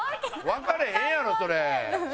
わかれへんやろそれ！